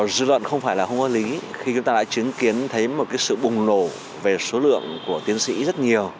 dư luận không phải là không có lý khi chúng ta đã chứng kiến thấy một sự bùng nổ về số lượng của tiến sĩ rất nhiều